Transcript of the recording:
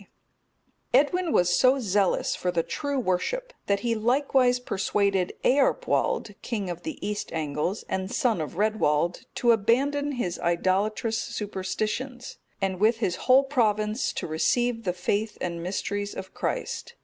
D.] Edwin was so zealous for the true worship, that he likewise persuaded Earpwald, king of the East Angles, and son of Redwald, to abandon his idolatrous superstitions, and with his whole province to receive the faith and mysteries of Christ.